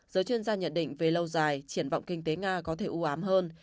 giới chuyên gia nhận định về lâu dài triển vọng kinh tế nga có thể ưu ám hơn